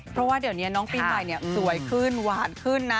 เพราะว่าเดี๋ยวนี้น้องปีใหม่สวยขึ้นหวานขึ้นนะ